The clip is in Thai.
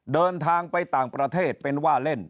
เดินทางไปต่างประเทศเป็นว่าเล่น